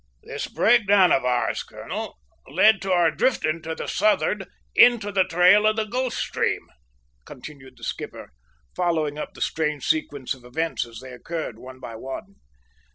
"This breakdown of ours, colonel, led to our drifting to the southward into the trail of the Gulf Stream," continued the skipper, following up the strange sequence of events as they occurred, one by one.